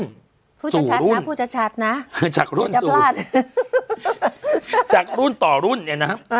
ผู้ชาตินะผู้ชาตินะจากรุ่นต่อรุ่นเนี่ยนะครับ